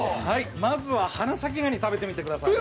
まずは花咲ガニ、食べてみてください。